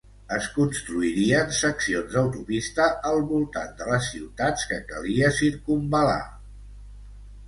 Es construirien seccions d'autopista al voltant de les ciutats que calia circumval·lar.